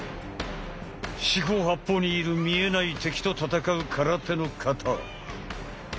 四方八方にいる見えない敵と戦う空手の形。